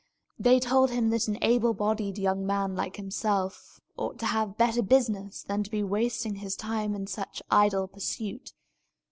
They told him that an able bodied young man like himself ought to have better business than to be wasting his time in such an idle pursuit.